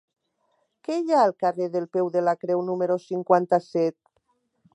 Què hi ha al carrer del Peu de la Creu número cinquanta-set?